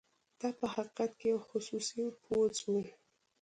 دا په حقیقت کې یو خصوصي پوځ وو.